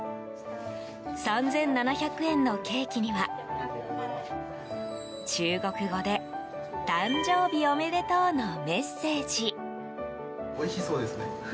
３７００円のケーキには中国語で誕生日おめでとうのメッセージ。